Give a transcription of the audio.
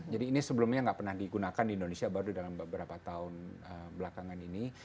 jadi ini sebelumnya tidak pernah digunakan di indonesia baru dalam beberapa tahun belakangan ini